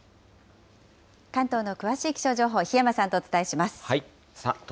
関東の詳しい気象情報、檜山さんとお伝えします。